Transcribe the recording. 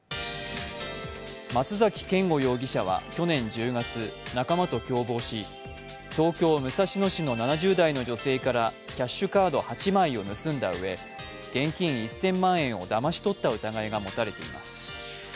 松崎健吾容疑者は、去年１０月、仲間と共謀し、東京・武蔵野市の７０代の女性からキャッシュカード８枚を盗んだうえ現金１０００万円をだまし取った疑いが持たれています。